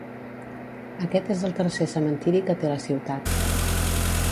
Aquest és el tercer cementiri que té la ciutat.